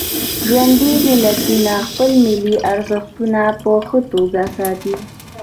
ژوندي ملتونه خپل ملي ارزښتونه په ښه توکه ساتي.